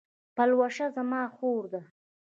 پلوشه زما خور ده